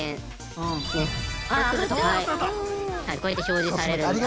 こうやって表示されるんです。